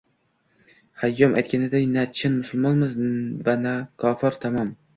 Xayyom aytganiday «na chin musulmonmiz va na kofir tamom».